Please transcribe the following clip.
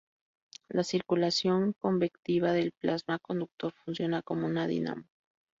La circulación convectiva del plasma conductor funciona como una dinamo.